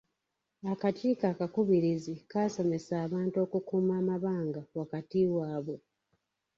Akakiiko akakubirizi kaasomesa abantu okukuuma amabanga wakati waabwe.